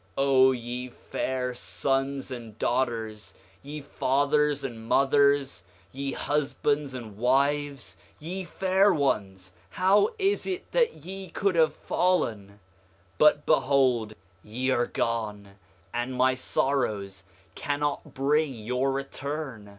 6:19 O ye fair sons and daughters, ye fathers and mothers, ye husbands and wives, ye fair ones, how is it that ye could have fallen! 6:20 But behold, ye are gone, and my sorrows cannot bring your return.